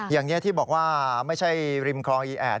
อย่างนี้ที่บอกว่าไม่ใช่ริมคลองอีแอด